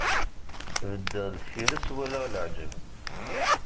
Beddeɣ deffir-s, walaɣ leɛǧeb.